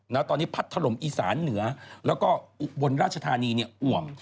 แล้วตอนนี้พัดถ๕๓อีสานเหนือแล้วก็บนราชธานีเป็นอว่ม